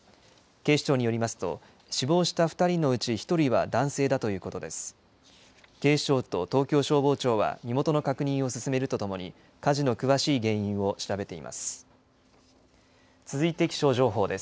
警視庁によりますと、死亡した２人のうち１人は男性だということです。